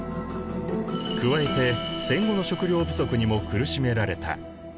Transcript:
加えて戦後の食料不足にも苦しめられた。